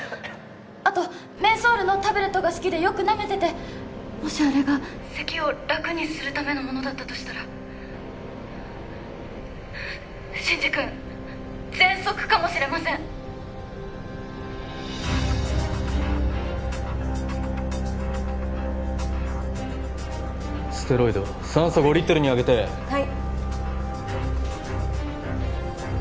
あとメンソールのタブレットが好きでよくなめててもしあれがせきを楽にするためのものだったとしたら真司君喘息かもしれませんステロイド酸素５リットルに上げてはい